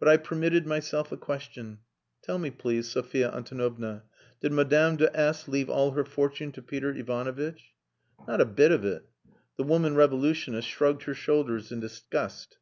But I permitted myself a question "Tell me, please, Sophia Antonovna, did Madame de S leave all her fortune to Peter Ivanovitch?" "Not a bit of it." The woman revolutionist shrugged her shoulders in disgust.